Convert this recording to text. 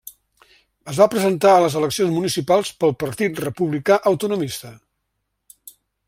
Es va presentar a les eleccions municipals pel Partit Republicà Autonomista.